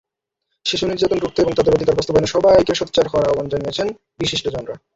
শিশু নির্যাতন রুখতে এবং তাদের অধিকার বাস্তবায়নে সবাইকে সোচ্চার হওয়ার আহ্বান জানিয়েছেন বিশিষ্টজনরা।